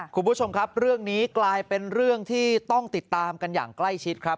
คุณผู้ชมครับเรื่องนี้กลายเป็นเรื่องที่ต้องติดตามกันอย่างใกล้ชิดครับ